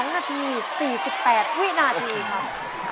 ๒นาที๔๘วินาทีครับ